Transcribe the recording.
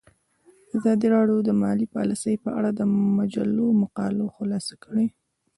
ازادي راډیو د مالي پالیسي په اړه د مجلو مقالو خلاصه کړې.